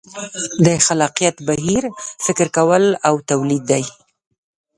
د خلاقیت بهیر فکر کول او تولید دي.